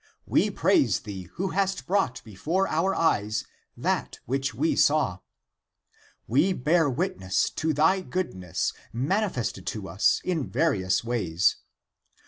We praise thee who hast brought before our eyes that which we saw. We bear witness to thy goodness manifested to us in various ways.